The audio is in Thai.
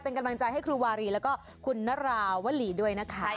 เป็นกำลังใจให้ครูวารีแล้วก็คุณนราวลีด้วยนะคะ